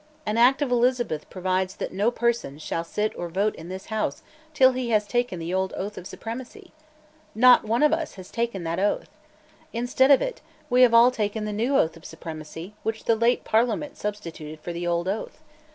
An Act of Elizabeth provides that no person shall sit or vote in this House till he has taken the old oath of supremacy. Not one of us has taken that oath. Instead of it, we have all taken the new oath of supremacy which the late Parliament substituted for the old oath.